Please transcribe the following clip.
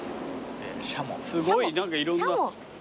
すごい何かいろんな。